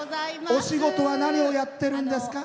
お仕事は何をやってるんですか？